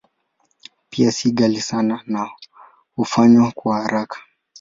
Pia si ghali sana na hufanywa kwa haraka.